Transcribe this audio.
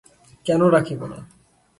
কেন রাখিব না?